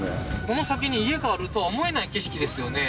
この先に家があるとは思えない景色ですよね